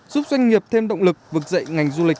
giúp doanh nghiệp thêm động lực vực dậy ngành du lịch